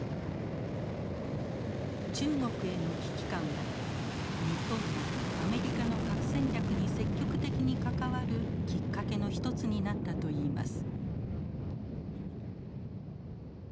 中国への危機感は日本がアメリカの核戦略に積極的に関わるきっかけの一つになったといいます。